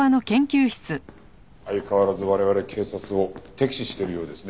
相変わらず我々警察を敵視してるようですね。